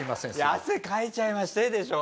「汗かいちゃいまして」でしょ。